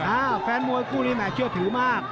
แฟนมวยคู่นี้แห่เชื่อถือมาก